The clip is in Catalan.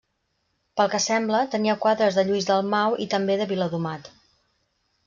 Pel que sembla, tenia quadres de Lluís Dalmau i també de Viladomat.